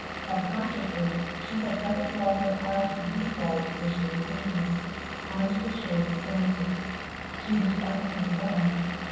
Half consciously she had let it draw her out of the deep waters where she was sinking, on to the shores of sanity. She reached out to him again.